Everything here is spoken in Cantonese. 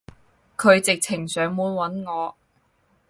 佢直情上門搵我